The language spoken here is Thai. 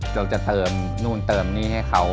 เราจะเติมนู่นเติมนี่ให้เขา